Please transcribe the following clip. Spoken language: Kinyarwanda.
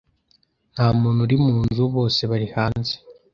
Nta muntu uri mu nzu. Bose bari hanze.